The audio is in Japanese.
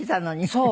そう。